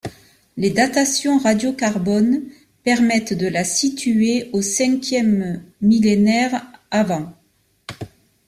Les datations radiocarbones permettent de la situer au Ve millénaire av.